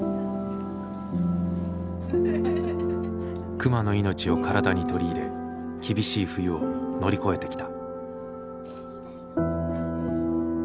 熊の命を体にとり入れ厳しい冬を乗り越えてきた。